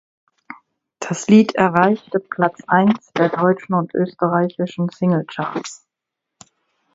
Das Lied erreichte Platz eins der deutschen und österreichischen Singlecharts.